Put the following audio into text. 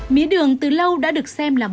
mía đường từ lâu đã được xem là một loại đất nước